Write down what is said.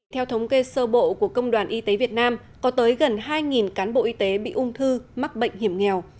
theo thống kê sơ bộ của công đoàn y tế việt nam có tới gần hai cán bộ y tế bị ung thư mắc bệnh hiểm nghèo